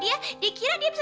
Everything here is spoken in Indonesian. dia nunggu nukai aja di bawah